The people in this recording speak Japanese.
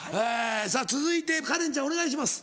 さぁ続いてカレンちゃんお願いします。